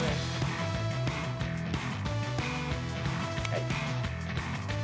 はい。